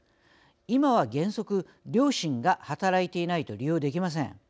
今は原則、両親が働いていないと利用できません。